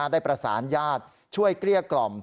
ได้ประสานญาติช่วยเกลี้ยกล่อม